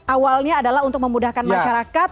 awalnya adalah untuk memudahkan masyarakat